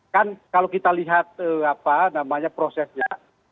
kan kalau kita lihat prosesnya